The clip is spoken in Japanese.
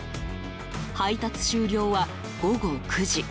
配達終了は午後９時。